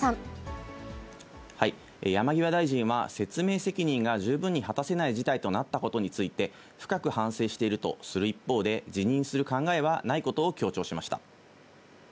山際大臣は、説明責任が十分に果たせない事態となったことについて、深く反省しているとする一方で、辞任する考えはないことを強調しました。